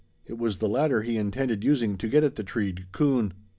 It was the ladder he intended using to get at the treed coon.